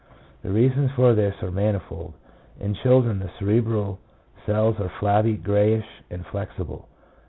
The reasons for this are manifold. In children the cerebral cells are flabby, greyish, and flexible.